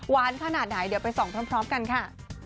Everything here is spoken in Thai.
ขนาดไหนเดี๋ยวไปส่องพร้อมกันค่ะ